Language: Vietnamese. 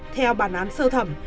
theo bản án sơ thẩm